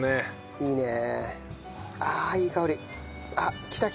いいねえ。